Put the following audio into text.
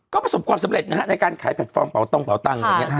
ก็ประสบความสำเร็จนะฮะในการขายแพลตฟอร์มเป่าตงเป่าตังค์อย่างนี้